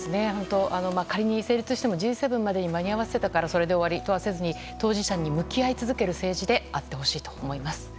仮に成立してもＧ７までに間に合わせたからそれで終わりではなく当事者に向き合い続ける政治であってほしいと思っています。